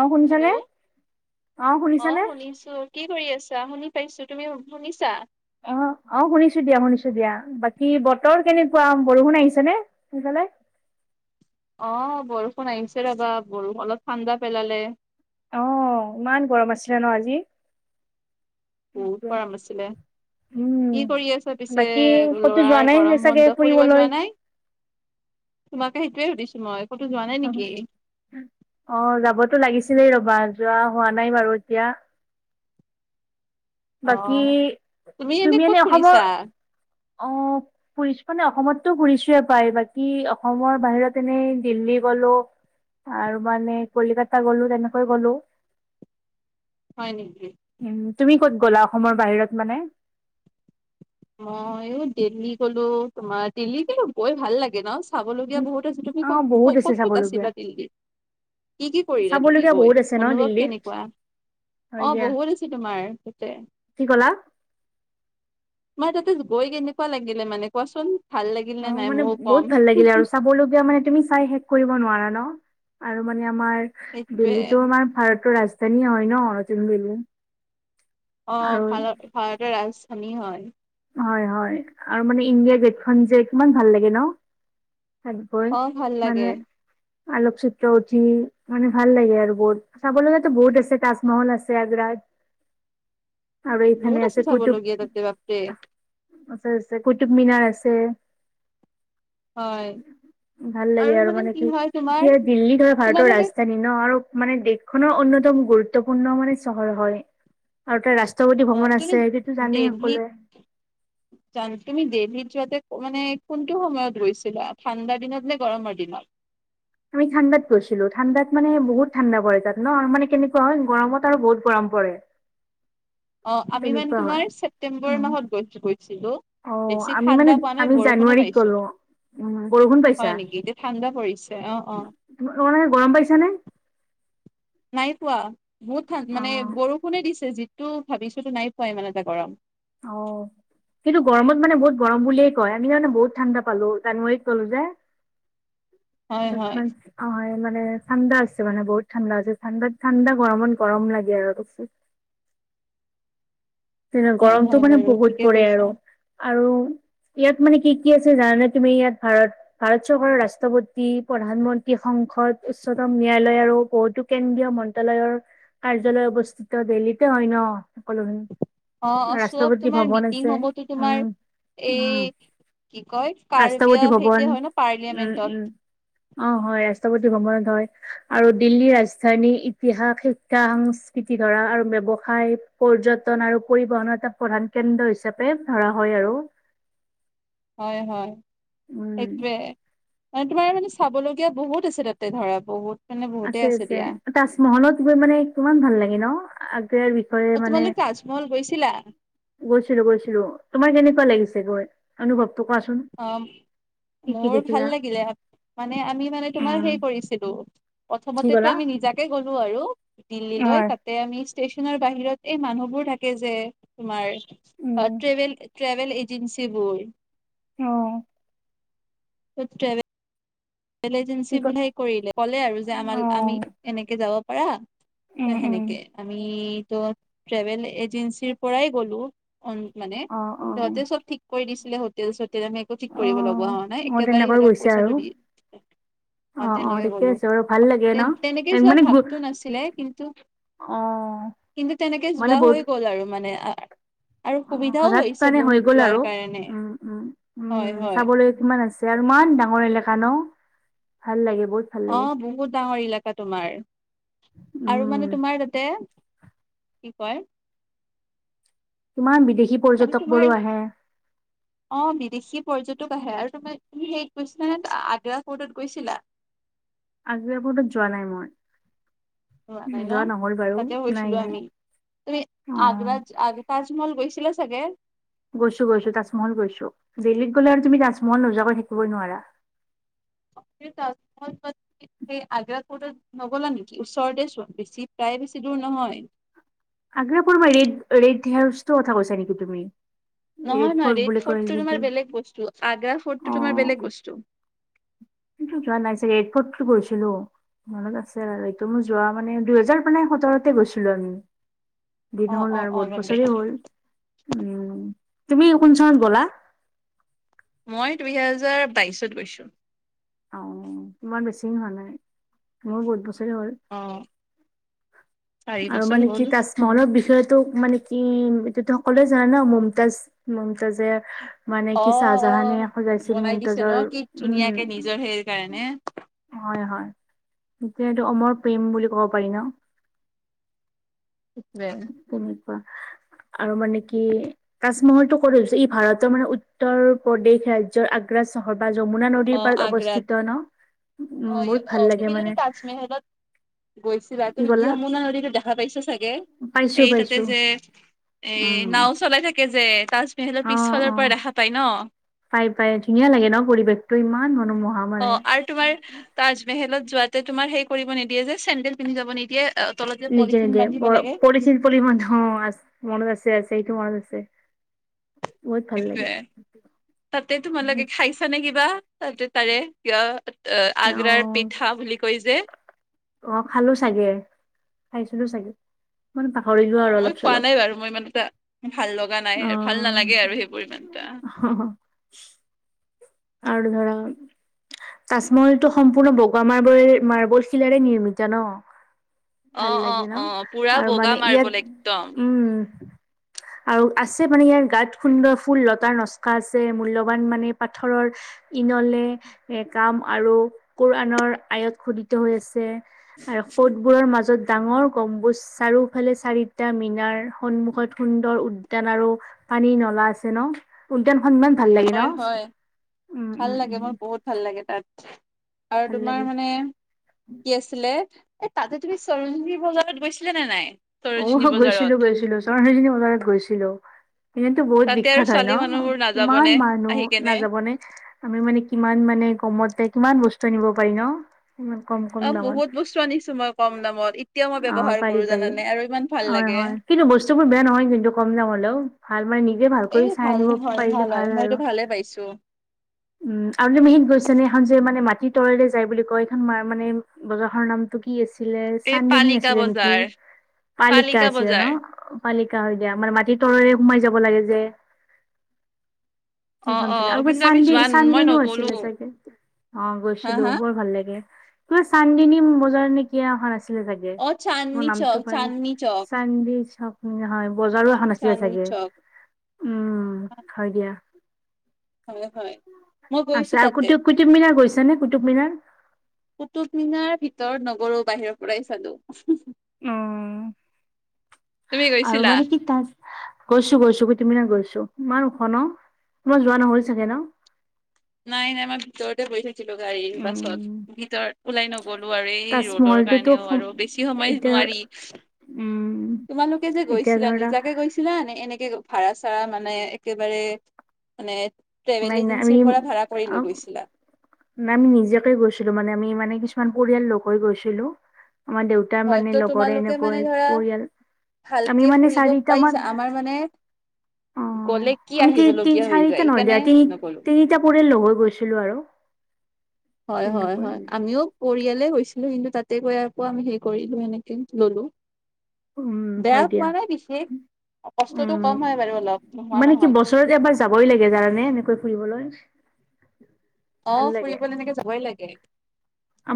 অ' শুনিছানে? হেল্ল' অ শুনিছো। কি কৰি আছা? শুনিছ পাইছো, তুমি শুনিছা? অ, অ শুনিছো দিয়া, শুনিছো দিয়া। বাকী বতৰ কেনেকুৱা? বৰষুণ আহিছে নে সেইফালে? [inaudible] অ, বৰষুণ আহিছে ৰবা। বৰষুণ অলপ ঠাণ্ডা পেলালে। অহ, ইমান গৰম আছিলে ন আজি? বহুত গৰম আছিলে। উম, কি কৰি আছা পিছে? বাকী ক'তো যোৱা ল'ৰাৰ নাই গৰম চাগে বন্ধ, ফুৰিব ফুৰিবলৈ? যোৱা নাই? তোমাকে সেইটোৱেই শুধিছো মই। ক'তো যোৱা নাই নেকি অ, যাবতো লাগিছিলেই ৰব বাহ যোৱা হোৱা নাই বাৰু এতিয়া। অ বাকী তুমি এনে অসমৰ অ মানে অসমতটো ঘুৰিছোৱে প্ৰায়। বাকী অসমৰ বাহিৰত এনেই দিল্লী গ'লো আৰু মানে কলিকতা গ'লো তেনেকৈ গ'লো। হয় নেকি? উম, তুমি ক'ত গ'লা অসমৰ বাহিৰত মানে? মই অ দিল্লী গলোঁ, তোমাৰ দিল্লী গলো। গৈ ভাল লাগে ন? চাবলগীয়া বহুত আছে। তুমি ক'ত অ' বহুত আছে ক'ত ক'ত চাবলগীয়া, আছিলা দিল্লীত? কি কি কৰিলা তুমি চাবলগীয়া গৈ? বহুত আছে ন অনুভৱ দিল্লীত, কেনেকুৱা? অ, হয় দিয়া, বহুত আছে তোমাৰ তাতে। কি ক'লা? [inaudible] তোমাৰ তাতে গৈ কেনেকুৱা লাগিলে মানে কোৱাচোন? ভাল লাগিল অ, নে নাই মানে ময়ো বহুত কম ভাল লাগিলে আৰু। চাবলগীয়া মানে তুমি চাই শেষ কৰিব নোৱাৰা ন? আৰু মানে আমাৰ সেইটোৱে দিল্লীটো আমাৰ ভাৰতৰ ৰাজ ধানী হয় ন নতুন দিল্লী। অ, আৰু ভাৰত ভাৰতৰ ৰাজধানী হয়। হয়, হয় আৰু মানে ইণ্ডিয়া গেটখন যে। সেইখনো ভাল লাগে ন? আকবৰ অ ভাল লাগে মানে আলোকচিত্ৰ উঠি মানে ভাল লাগে। আৰু বহুত চাব লগাতে বহুত আছে তাজমহল আছে আগ্ৰাত। আৰু বহুত এইখানে আছে কুতু চাবলগীয়া তাতে বাপৰে [unintelligible] আছে আছে কুটুবমিনাৰ আছে। হয়। ভাল লাগে আৰু মানে কি কি আৰু দিল্লী ধৰা ভাৰতৰ তোমালোকে ৰাজধানী ন আৰু মানে দেখোঁ এখনো অ্যতম গুৰুত্বপূৰ্ণ মানে চহৰ হয় আৰুটা ৰা ৰাষ্ট্ৰপতি অ ভ্ৰমণ আছে তুমি সেটোতো জানেই দেলহিত সকলোৱে। জান তুমি দিল্লিৰ যোৱাতে মানে কোনটো সময়ত গৈছিলা ঠাণ্ডা দিনত নে গৰমৰ দিনত? আমি ঠাণ্ডাত গৈছিলোঁ ঠাণ্ডাত মানে বহুত ঠাণ্ডা পৰে তাত ন মানে কেনেকুৱা হয় গৰমত আৰু বহুত গৰম। পৰে। অ আমি মানে তেনেকুৱা হয় তোমাৰ ছেপ্তেম্বৰ মাহত গৈছোঁ গৈছোঁ। ছিলো অ বেছি ঠাণ্ডা পোৱা নাই বৰষুণে পাইছোঁ। উ বৰষুণ পাইছা। পৰিছে অ অ তোমালোকে মানে গৰম পাইছা নে? [inaudible] নাই পোৱা বহুত ঠান অ মানে বৰষুণে দিছে যি তো ভাবিছোতো নাই পোৱাই ইমান এটা গৰম। অ। কিন্তু গৰমত মানে বহুত গৰম বুলিয়ে কয় আমি যাওঁতে বহুত ঠাণ্ডা পালোঁ জানুৱাৰীত গলোঁ যে। হয় ম হয় অ হয় মানে ঠাণ্ডা আছে মানে বহুত ঠাণ্ডা আছে ঠাণ্ডাত ঠাণ্ডা গৰমত গৰম লাগে আৰু [inaudible] যেনে হয় গৰমতটো হয় মানে বাৰু বহুত ঠিকে পৰে কৈছা আৰু আৰু। ইয়াত মানে কি কি আছে জানানে তুমি ইয়াত ভাৰত ভাৰত চৰকাৰৰ ৰাষ্ট্ৰপতি প্ৰধানমন্ত্ৰী সং সংসদ উচ্চতম ন্যায়ালয় আৰু বহুতো কেন্দ্ৰীয় মন্ত্ৰালয়ৰ। কাৰ্যালয় অৱস্থিত দিল্লিতে হয় ন সকলোখিন। অ অ চব তোমাৰ মিটিং সময়তো তোমাৰ উম উম এই কি কয় ৰাষ্ট্ৰপতি কাৰ্বিয়া ভৱন সেইতে হয় ন উম উম পাৰ্লিয়ামেন্টত। অ হয় আছ ৰাষ্ট্ৰপতি ভ্ৰমণত হয় আৰু দিল্লীৰ ৰাজধানী ইতিহাস শিক্ষা সংস্কৃতি ধৰা আৰু ব্যৱসায় পৰ্যটন আৰু পৰিবহনৰ এটা প্ৰধান কেন্দ্ৰ হিচাপে ধৰা হয় আৰু হয় হয় উম সেইটোৱে মানে তোমাৰ মানে চাবলগীয়া বহুত আছে তাতে ধৰা বহুত মানে বহুতে আছে আছে, দিয়া। তাজমহলত গৈ মানে কিমান ভাল লাগে ন। আগ ইয়াৰ বিষয়ে অ মানে তোমালোক তাজমহল গৈছিলা গৈছিলো, গৈছিলো। তোমাৰ কেনেকুৱা লাগিছে গৈ অনুভৱ? অ মোৰ দেখিলা ভাল লাগিলে মানে আমি মানে তোমাৰ উম হেই কৰিছিলো কি প্ৰথমতেতো ক'লা আমি নিজাকে গ'লো আৰু হয় দিল্লীলৈ তাতে আমি ষ্টেশচনৰ বাহিৰত এই মানুহবোৰ থাকে যে তোমাৰ অ উম ট্ৰেভেল ট্ৰেভেল এজেন্ঞ্চি বল অ ট্ৰেভেল ট্টেভেল এজেঞ্চি কি ক বোলিয়েই কৰিলে কলে আৰু যে আমাৰ অ আমি এনেকে যাব পাৰা উম [unintelligible] উম সেনেকে আমি ট্ৰেভেল এজেঞ্চিৰ পৰাই গ'লো অ মানে অ অ সিহঁতে চব ঠিক কৰি দিছিলে হোটেল চোটেল আমি একো ঠিক অ কৰিব লগা হোৱা নাই অ একেবাৰে তেনেকৈ সিহঁতক গৈছে আৰু পইচাটো দি [inaudible] অ তেনেকে ঠিকে ক'লো আছে বাৰু ভাল লাগে ন তেনেকে এক যোৱা মানে গ্ৰু ভাবটো নাছিলে কিন্তু অ কিন্তু তেনেকে যোৱা হৈ গ'ল আৰু মানে আৰু সুবিধাও হজাত হৈছে মানে হৈ বহুত গ'ল যোৱাৰ আৰু কাৰণে উ উম হয় উম হয় চাবলৈ কিমান আছে আৰু ইমান ডাঙৰ এলেকা ন ভাল লাগে বহুত ভাল অ লাগে বহুত ডাঙৰ এলেকা তোমাৰ আৰু উম মানে তোমাৰ তাতে কি কয় ইমান বিদেশী মানে পৰ্যটক তোমাৰ বোৰো আহে অ', বিদেশী পৰ্যটক আহে আৰু তুমাৰ তুমি হেৰিত গৈছিলা নে আগ্ৰা কোৰ্টত গৈছিলা? আগ্ৰা ৰ্ফটত যোৱা নাই মই। যোৱা নাই ন, নহল বাৰু তাতেও নাই গৈছিলো নাই আমি। তুমি অ আগ্ৰা আগ তোমালোক গৈছিলা চাগে। গৈছো গৈছো, তাজমহল গৈছো। দিল্লীত গলে আৰু তুমি তাজমহল নোযোৱাকৈ থাকিবই নোৱাৰা। [inaudible] তাজমহল [unintelligible] সেই আগ্ৰা ৰ্ফটত নগলা নিকি? ওচৰতে চোন বেছি প্ৰায় বেছি দূৰ নহয়। আগ্ৰা ৰ্ফট মানে ৰেড-ৰেড হাউচটো কথা কৈছা নেকি তুমি? নহয় নহয়, ফৰ্ট ৰেড বুলি কয় ফৰ্টো তোমাৰ নেকি বেলেগ বস্তু আগা ফৰ্টো তোমাৰ বেলেগ বস্তু। সিটোত যোৱা নাই চাগে, ৰেড ফৰ্ট গৈছিলো। মনত আছে বাৰু এইটো, মোৰ যোৱা মানে দুহেজাৰ মানে সোতৰতে গৈছিলো আমি। দিন অ', হ'ল অ', আৰু অ', বহুত গম বছৰে পাইছো। হ'ল, উম। তুমি কোন চনত গলা? মই দুইহাজাৰ বাইশত গৈছো। অ', ইমান বেছি দিন হোৱা নাই, মোৰ বহুত বছৰে হ'ল। অ চাৰি আৰু বছৰ মানে কি হ'ল। তাজ মলৰ বিষয়তো মানে কি তো সকলোৱে জানা ন মমতাজ মমতাজে মানে কি অ', চাহজাহানে অ', সজাইছিল বনাই দিছে ন মুমতাজৰ, কি উম। ধুনীয়াকে নিজৰ সেই কাৰণে। হয়, হয়। এতিয়া এইটো অমৰ প্ৰেম বুলি কব পাৰি ন। [unintelligible] তেনেকুৱা আৰু মানে কি তাৰ মহৰটো কৰিছো ই ভাৰতৰ মানে উত্তৰ প্ৰদেশ ৰাজ্যৰ আগ্ৰা চহৰ বা যমুনা নদীৰ অ', পাৰ আগ্ৰাত অৱস্থিত ন, উম অ', বহুত ভাল অ', তুমি লাগে যদি মানে। তাজমেহেলত গৈছিলা, কি তুমি ক'লা ইয়মুনা নদীতো দেখা পাইছা চাগে? পাইছো এই তাতে পাইছো যে, এই উম নাও চলাই থাকে যে যে তাজমেহেলৰ অ অ পিছফালৰ পৰা দেখা পাই ন। পাই পাই ধুনীয়া লাগে ন পৰিবেশটো ইমান মনোমোহা অ মানে আৰু তোমাৰ তাজমেহলত যোৱাতে তোমাৰ সেই কৰিব নিদিয়ে যে চেণ্ডেল পিন্ধি যাব নিদিয়ে অ তলত যে নিজে পলিথিন নিজেৰ বান্ধিব লাগে পৰিচি পৰি ম আ মনত আছে আছে সেইটো মনত আছে [unintelligible] বহুত ভাল লাগে সেইটোৱে। তাতে তোমালোকে খাইছা নে কিবা, তাতে তাৰে কিবা? অ আগ্ৰাৰ পিঠা বুলি কয় যে। অ', খালো চাগে, খাইছিলো চাগে। মানে পাহৰিলো আৰু অ', মই অলপ খোৱা চলপ নাই বাৰু মই ইমান এটা ভাল লগা নাই, ভাল নালাগে আৰু সেই বোৰ ইমান এটা। অ', আৰু ধৰা তাচমহলটো সম্পূৰ্ণ বগা মাৰ্বলে মাৰ্বল শিলাৰে নিৰ্মিত ন। অ ভাল অ লাগে ন অ পুৰা আৰু বগা মানে মাৰ্বল ইয়াত, একদম উম আৰু আছে মানে ইয়াৰ গাত সুন্দৰ ফুল লতাৰ নস্কা আছে মূল্যবান মানে পাত পাথৰৰ ইনলে এ কাম আৰু কৰানৰ আয়ত খোদিত হৈ আছে। আৰু ফৰ্টবোৰৰ মাজত ডাঙৰ গম্বুজ চাৰিওফালে চাৰিটা মিনাৰ সন্মুখ সুন্দৰ উদ্যান আৰু পানী নলা আছে ন, উদ্যানখন ইমান ভাল লাগে হয় ন। হয় উম উম ভাল লাগে উম মোৰ বহুত ভাল লাগে তাত। আৰু ভাল লাগে তোমাৰ মানে কি আছিলে এ তাতে তুমি চৰঞ্জী বজাৰত গৈছিলে নে নাই? সৰঞ্জনী অ', বজাৰত গৈছিলো গৈছিলো, চৰজনী বজাৰত গৈছিলো। সেই কাৰণেটো বহুত তাতে আৰু বিখ্যাত হয় ছোৱালী ন, মানুহবোৰ নাযাবনে কিমান আহি মানুহ কেনে নাযাবনে আমি মানে কিমান মানে কমতে কিমান বস্তু নিব পাৰি ন। ইমান কম অ কম বহুত দামত, বস্তু আনিছো মই কম দামত এতিয়াও মই অ' ব্যৱহাৰ পাৰি কৰো পাৰি। জানানে আৰু ইমান ভাল হয় লাগে হয় কিন্তু বস্তু বোৰ বেয়া নহয় কিন্তু কম দাম হলেও ভাল মানে নিজে ভাল কৰি এই চাই ভাল আনিব ভাল হয় পাৰিলে হয় মইতো আৰু ভালে পাইছো উম আৰু মিহিত গৈছে নেখন যে মানে মাট তৰলে যায় বুলি কয় এইখন ম মানে বজাৰখৰ নামটো কি আছে আছিলে এই চান্দিনী পালিকা আছিলে নেকি বজাৰ পালিকা আছিলে ন পালিকা হৈ দিয়া মানে মাটিৰ তৰৰে সোমাই যাব লাগে যে অ সেইখন অ চাগে আকব কিন্তু আমি চানডে যোৱা মই চানডনও নগলো আছিলে চাগে অ হা গৈছিলো হা বৰ ভাল লাগে তুমা চানদিনী বজাৰত নেকিয়া অ নাছিল আপুনি চাগে অ মই চান্দনী নামটো চক পাহৰি চান্দনী চক চান্দিনি হয় বজাৰো এখন আছিলে চান্দনী চাগে চক উম হয় দিয়া হয় হয় মই গৈছো আচ্ছ আৰু তাতে কুটুম কুটুব মিনাৰ গৈছা নে কুটুব মীনাৰ কুতুব মিনাৰ ভিতৰত নগলো বাহিৰৰ পৰাই চালো উম তুমি আৰু গৈছিলা? মানে কি তা গৈছো গৈছো গ তুমিনা গৈছো ইমান ওখ ন তোমাৰ যোৱা নহ'ল চাগে ন [unintelligible] নাই নাই আমাৰ ভিতৰতে [unintelligible] ছিলো গাড়ীৰ ন বাছত ভিতৰত ওলাই নগলো আৰু এই ৰ'দৰ তাজমহলটোতো কাৰণেও আৰু বেছি সময় এতিয়া ন ৰী [unintelligible] উম তোমালোকে যে এতিয়া গৈছিলা ধৰা নিজাকে গৈছিলা নে এনেকে ভাড়া চাড়া মানে একেবাৰে মানে ট্ৰেভেল নাই নাই আমি এজেঞ্চিৰ পৰা ভাড়া কৰি লৈ গৈছিলা? নাই আমি নিজাকে গৈছিলো মানে আমি মানে কি কিছুমান পৰিয়াল লগ হৈ গৈছিলো আমাৰ দেউতাৰ হয়তো মানে লগৰে তোমালোকে এনেকৈ মানে ধৰা পৰিয়াল [unintelligible] আমি ভালকে মানে ফুৰিব চাৰিটামান পাৰিচা আমাৰ মানে অ গ'লে কি আমি তি তিন আহিবলগীয়া হৈ যায় চাৰিটা নহয় দিয়া সেইকাৰণে তিনি নগলো। তিনিটা পৰিয়াল লগ হৈ গৈছিলো আৰু হয় হয় তেনেকৈ হয় আমিও কৰি ইয়ালে গৈছিলো কিন্তু তাতে গৈ ইয়াৰ পৰা আমি সেৰি কৰিলো এনেকে ললো উম বেয়া হয় দিয়া পোৱা নাই বিশেষ কষ্টটো কম হয় বাৰু উম, অলপ নোহোৱা মানে কি নহয় বছৰত এবাৰ যাবই লাগে জানানে এনেকৈ ফুৰিবলৈ। [inaudible] অহ, ভাল লাগে। ফুৰিবলৈ [unintelligible] যাবই লাগে।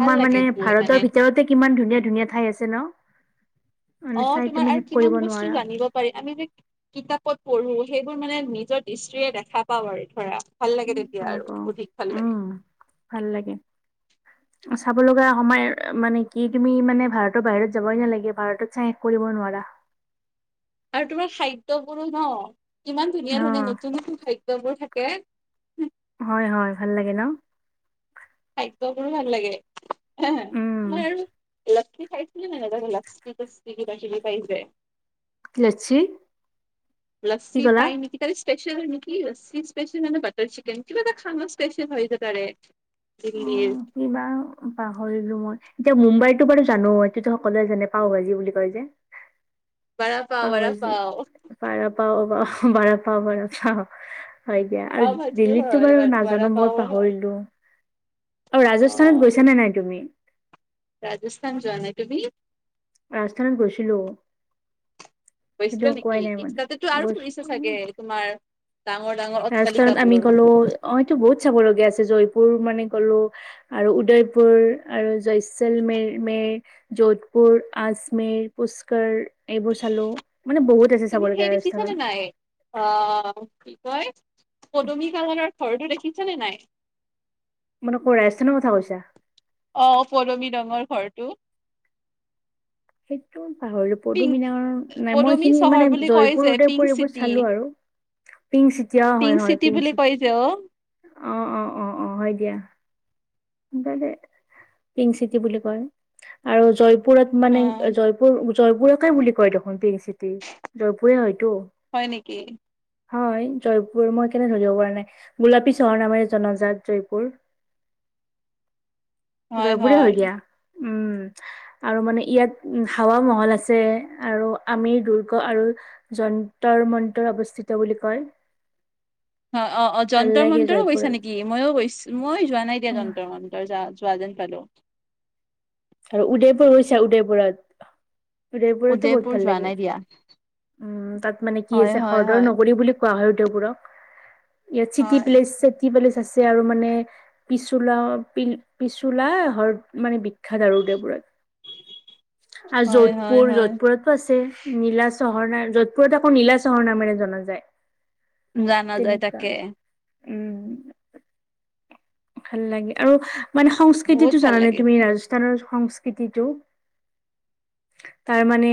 ভাল লাগে মানে গৈ মানে ভাৰতৰ ভিতৰতে কিমান ধুনীয়া- ধুনীয়া ঠাই আছে ন'। অ মানে চাই তুমি তোমাৰ আৰু শেষ কিমান কৰিব বস্তু নোৱাৰা। জানিব পাৰি আমি যে কিতাপত পঢ়ো সেইবোৰ মানে নিজৰ দৃষ্টিৰে দেখা পাও আৰু ধৰা ভাল লাগে উম, তেতিয়া পাওঁ আৰু পাওঁ অধিক ভাল লাগে অ চাব লগা সময় মানে কি তুমি মানে ভাৰতৰ বাহিৰত যাবই নালাগে ভাৰতত চাই শেষ কৰিব নোৱাৰা [inaudible] আৰু তোমাৰ খাদ্য বোৰো ন ইমান ধুনীয়া অ ধুনীয়া নতুন নতুন খাদ্যবোৰ থা কে [unintelligible] হয় হয় ভাল লাগে ন খাদ্যবোৰো ভাল লাগে উম মই আৰু [unintelligible] কি খাইছিলে ন তহতৰ লিকছ কিবখি বাঢ়িব পাৰি যে [unintelligible] লচি লচি পায় নেকি তাৰছত স্পেচিয়েল নেকি লজি স্পেচিয়েল মানে বাটাৰ চিকেন কিবা এটা খানা স্পেচিয়েল হৈ যে তাৰে [unintelligible] অ কিবা পাহৰিলো মই এতিয়া মুম্বাইতো বাৰু জানো এইটোতো সকলোৱে জানে পাও ভাজি বুলি কয় যে পাও ভাজি পাৰা পাৱ প বাৰা পাও বাৰা খাও [unintelligible] হয় দিয়া আৰু পাও ভাজিও দিল্লীততো হয় বাৰু বৰা নাজানো মই পাও হয় পাহৰিলো অহ, অ ৰাজস্থানত গৈছা নে নাই তুমি? ৰাজস্থান যোৱা নাই তুমি? ৰাজস্থানত গৈছিলো। গৈছিলা সেইটো নেকি কোৱাই নাই তাতেতো আৰু ফুৰিছে চাগে [unintelligible] তোমাৰ ডাঙৰ ডাঙৰ ৰাজস্থানত আমি অট্টালিকাবোৰ গ'লো অহ এইটো বহুত চাব লগীয়া আছে জয়পুৰ মানে গলো আৰু উদয়পুৰ আৰু জয়চল মে মেৰ। যোধপুৰ, আজমেৰ, পুষ্কৰ এইবোৰ চালো মানে বহুত আছে তুমি সেই চাবলগীয়া দেখিছানে ৰাজস্থানত। তই পদুমী কালাৰৰ ঘৰটো দেখিছ নে নাই? মানে কৌ ৰাজস্থানৰ কথা কৈছা? অহ, পদুমী ৰঙৰ ঘৰটো। [inaudible] সেইটো পাহৰিলো পিংক পদুমি [unintelligible] নাই মই পদুমী এখিনি চহৰ মানে বুলি কয় যে জয়পুৰতে পিংক ওপৰে ওপৰে চিটি চালো আৰু। পিংক চিটি অহ হয়', হয়', চিটি পিংক বুলি কয় যে চিটি অ', অ ', অ অ', হয় দিয়া। পিংক চিটি বুলি কয় আৰু জয়পুৰত অ মানে জয়পুৰ- জয়পুৰকে বুলি কয় দেখোন পিং চি চিটি জয়পুৰে হয়তো। হয় নেকি হয়, জয়পুৰ মই কেনে ধৰিব পৰা নাই গোলাপী চহৰ নামেৰে জনজাত জয়পুৰ। [inaudible] হয়', জয়পুৰে হয়', দিয়া উম, আৰু মানে ইয়াত উম, হাৱা মহল আছে আৰু আমি দুৰ্গ আৰু যন্তৰ -মন্তৰ অৱস্থিত ত'বুলি কয়। হয়, অ', অ', ভাল যন্তৰ লাগে মন্তৰো গৈছা জয়পুৰত নেকি ময়ো গৈছো মই যোৱা নাই দিয়া উম, যন্তৰ মন্তৰ যাত যোৱা যেন পালো। আৰু উদয়পুৰ গৈছা উদয়পুৰত? উদয়পুৰতো বহুত উদয়পুৰ ভাল যোৱা লাগে নাই দিয়া উম তাত মানে কি হয় আছে হয় হ্ৰদৰ হয় নগৰী বুলি কোৱা হয়। এইবোৰক ইয়াত চিটি হয় প্লেচ চেটি প্লেচ। আছে আৰু মানে পিছুলা পিল পিছুলা হৰ মানে। [unintelligible] শিক্ষা আৰু উদয়পুৰ আৰু হয় হয় যোধপুৰ হয় যোধপুৰতো আছে। নীলা চহৰ নাম যোধপুৰত আকৌ নীলা চহৰ নামেৰে জনা যায়। জানা যায় তেনেকুৱা তাকে। উম ভাল লাগে আৰু মানে বহুত সংস্কৃতিটো ভাল জাননে লাগে তুমি ৰাজস [unintelligible] সংস্কৃতিটো তাৰ মানে